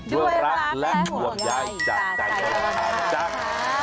ด้วยรักและห่วงใยจัดการต่าง